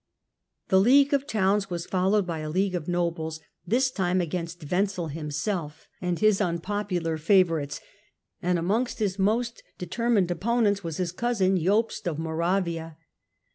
Troubles in The league of towns was followed by a league of nobles, emia ^^^^ time against Wenzel himself and his unpopular favourites ; and amongst his most determined opponents was his cousin Jobst of Moravia.